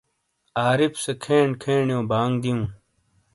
عارف سے کھین کھینو بانگ دیوں۔